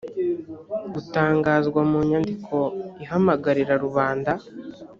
gutangazwa mu nyandiko ihamagarira rubanda